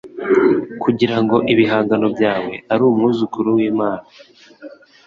kugirango ibihangano byawe ari umwuzukuru wImana